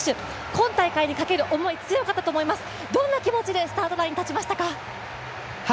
今大会にかける思い、強かったと思います、どんな気持ちでスタートラインに立ちましたか？